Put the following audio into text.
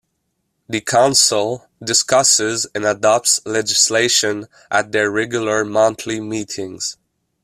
The Council discusses and adopts legislation at their regular monthly meetings.